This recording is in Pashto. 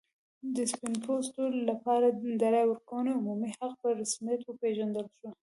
د سپین پوستو لپاره د رایې ورکونې عمومي حق په رسمیت وپېژندل شو.